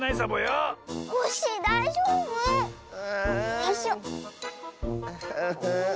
よいしょ。